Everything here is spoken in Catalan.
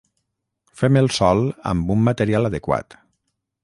Fem el sòl amb un material adequat.